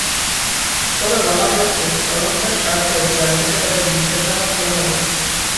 তবে বলা হয়েছে, তদন্তের স্বার্থে জেল গেটে তাঁদের জিজ্ঞাসাবাদ করা যাবে।